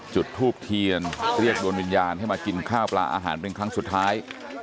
จุดทูบเทียนเรียกดวงวิญญาณให้มากินข้าวปลาอาหารเป็นครั้งสุดท้าย